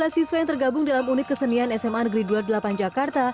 dua puluh siswa yang tergabung dalam unit kesenian sma negeri dua puluh delapan jakarta